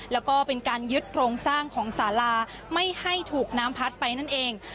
แล้วก็เป็นการยึดโครงสร้างของสาราไม่ให้ถูกน้ำพัดไปนั่นเอง